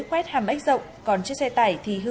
quét hàm ếch rộng còn chiếc xe tải thì hư